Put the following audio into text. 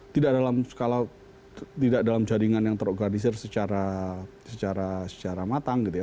tidak dalam skala tidak dalam jaringan yang terorganisir secara matang gitu ya